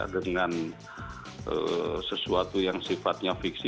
dengan sesuatu yang sifatnya fiksi